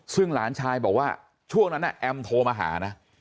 ซึ่งหลานชายบอกว่าช่วงนั้นแอมโทรมาหานะ